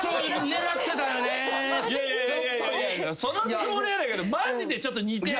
いやいやそのつもりはないけどマジでちょっと似てる。